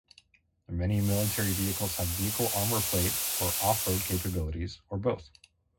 Many military vehicles have vehicle armour plate or off-road capabilities or both.